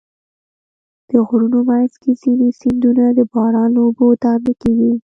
د غرونو منځ کې ځینې سیندونه د باران له اوبو تغذیه کېږي.